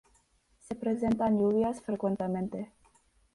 Se presentan lluvias frecuentemente.